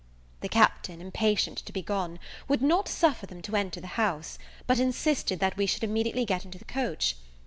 The Captain, impatient to be gone, would not suffer them to enter the house, but insisted that we should immediately get into the coach.